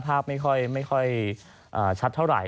ภาพไม่ค่อยชัดเท่าไหร่